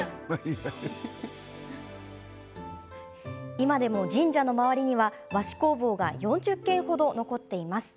今でも神社の周りには和紙工房が４０軒程残っています。